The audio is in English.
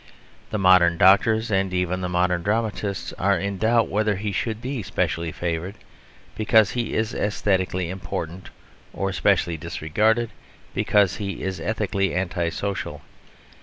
The modern doctors (and even the modern dramatist) are in doubt whether he should be specially favoured because he is æsthetically important or specially disregarded because he is ethically anti social.